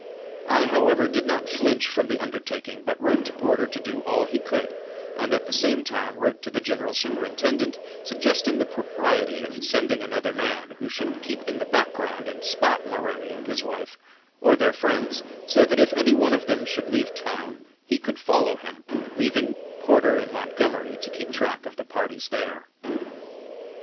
I however did not flinch from the undertaking, but wrote to Porter to do all he could, and at the same time wrote to the General Superintendent, suggesting the propriety of sending another man, who should keep in the background and "spot" Maroney and his wife, or their friends, so that if any one of them should leave town he could follow him, leaving Porter in Montgomery, to keep track of the parties there.